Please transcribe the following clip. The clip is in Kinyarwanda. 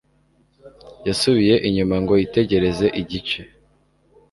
yasubiye inyuma ngo yitegereze igice